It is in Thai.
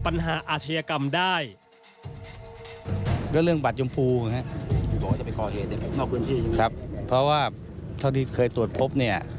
เพราะว่าเท่านี้เคยตรวจพบ